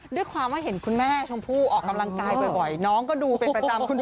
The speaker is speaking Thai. ด้วยความว่าเห็นคุณแม่ชมพู่ออกกำลังกายบ่อยน้องก็ดูเป็นประจำ